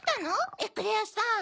エクレアさん。